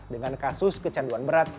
dengan kasus kecanduan berat